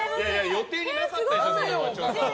予定になかったでしょちょっと。